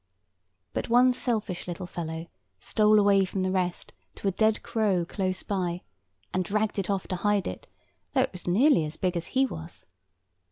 But one selfish little fellow stole away from the rest to a dead crow close by, and dragged it off to hide it, though it was nearly as big as he was.